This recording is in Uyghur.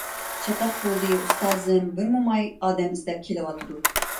چاتاق بولدى، ئۇستازىم، بىر موماي ئادەم ئىزدەپ كېلىۋاتىدۇ!